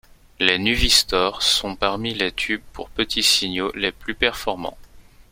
Les nuvistors sont parmi les tubes pour petits signaux les plus performants.